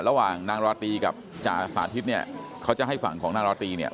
ระหว่างนางราตรีกับจ่าสาธิตเนี่ยเขาจะให้ฝั่งของนางราตรีเนี่ย